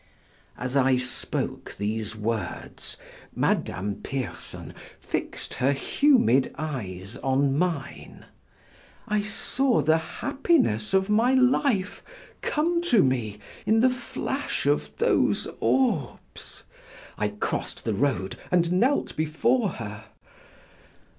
As I spoke these words, Madame Pierson fixed her humid eyes on mine; I saw the happiness of my life come to me in the flash of those orbs. I crossed the road and knelt before her.